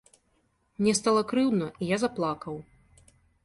Мне стала крыўдна, і я заплакаў.